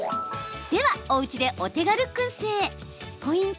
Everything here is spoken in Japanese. では、おうちでお手軽くん製ポイント